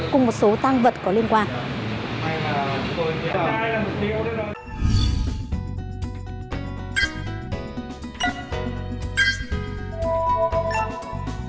cùng một số tăng vật có liên quan